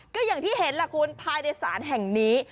ก็อย่างที่เห็นล่ะคุณภายในศาลแห่งนี้